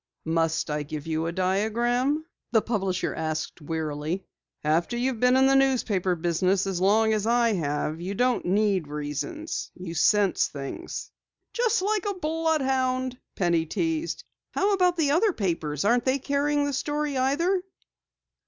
"Must I give you a diagram?" the publisher asked wearily. "After you've been in the newspaper business as long as I have, you don't need reasons. You sense things." "Just like a bloodhound!" Penny teased. "How about the other papers? Aren't they carrying the story either?"